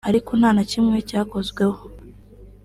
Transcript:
ariko nta na kimwe cyakozweho